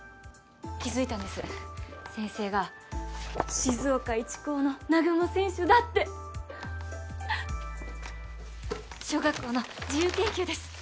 気づいたんです先生が静岡一高の南雲選手だって小学校の自由研究です